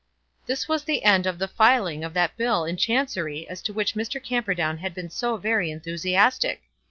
This was the end of the filing of that bill in Chancery as to which Mr. Camperdown had been so very enthusiastic!